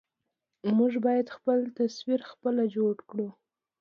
موږ بايد خپل تصوير خپله جوړ کړو.